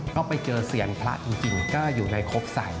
ก็ไปเจอเซียนพระจริงก็อยู่ในครบใส่